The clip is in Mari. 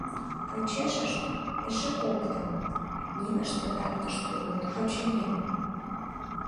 Почешышт — эше коктын, нинышт пытартыш улыт, очыни.